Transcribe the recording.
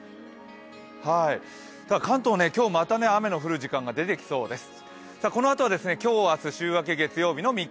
関東、今日また雨の降る時間が出てきそうです。